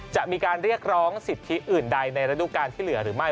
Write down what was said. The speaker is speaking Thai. จะมีการเรียกร้องสิทธิอื่นใดในระดูการที่เหลือหรือไม่